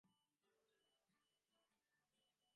সে-সময়ে মহারাজকে কোনো কথা জিজ্ঞাসা করা অসম্ভব।